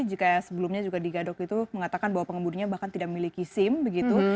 jika sebelumnya juga digadok itu mengatakan bahwa pengemudinya bahkan tidak memiliki sim begitu